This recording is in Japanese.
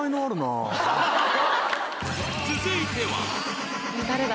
［続いては］